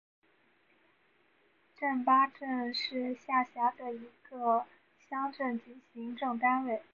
覃巴镇是下辖的一个乡镇级行政单位。